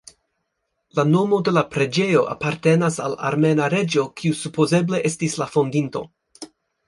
La nomo de la preĝejo apartenas al armena reĝo kiu supozeble estis la fondinto.